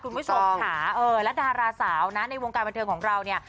คุณผู้ชมค่ะเออแล้วดาราสาวนะในวงการบันเทิงของเราเนี่ย